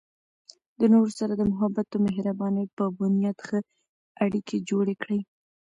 د نورو سره د محبت او مهربانۍ په بنیاد ښه اړیکې جوړې کړئ.